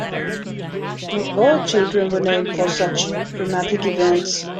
Not all children were named for such dramatic events.